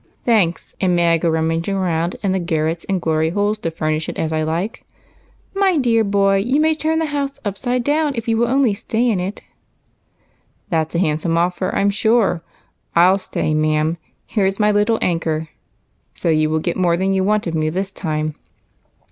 " Thanks. And may I go rummaging round in the garrets and glory holes to furnish it as I like?" "My dear boy, you may turn the house upside down if you will only stay in it." 48 EIGHT COUSINS. "That's a handsome offer, I'm sure. I'll stay, ma'am ; here 's my little anchor, so you will get more than you want of me this time."